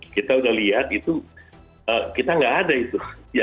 kita sudah lihat itu kita tidak ada itu